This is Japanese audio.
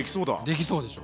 できそうでしょ？